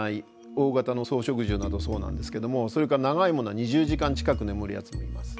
大型の草食獣などそうなんですけどもそれから長いものは２０時間近く眠るやつもいます。